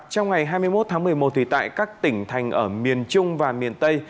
trong ngày hai mươi một tháng một mươi một tại các tỉnh thành ở miền trung và miền tây